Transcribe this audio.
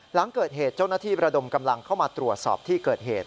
หลังเกิดเหตุเจ้าหน้าที่ประดมกำลังเข้ามาตรวจสอบที่เกิดเหตุ